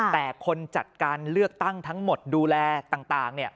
แต่คนจัดการเลือกตั้งทั้งหมดดูแลต่าง